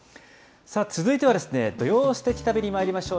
続いては、土曜すてき旅にまいりましょう。